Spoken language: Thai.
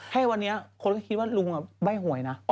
แค่วันนี้คนต้องคิดว่าลูกอ่ะใบ่หวยนะ